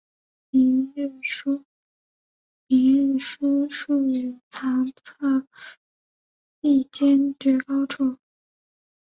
明日书数语于堂侧壁间绝高处。